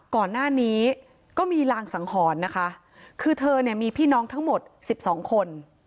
ก่อนหน้านี้ก็มีรางสังหรณ์นะคะคือเธอเนี่ยมีพี่น้องทั้งหมดสิบสองคน